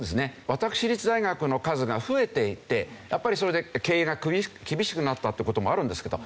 私立大学の数が増えていってやっぱりそれで経営が厳しくなったって事もあるんですけど。